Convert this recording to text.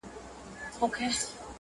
تبعیضي چلن ورسره کوئ